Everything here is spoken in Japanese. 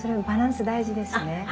バランス大事ですね。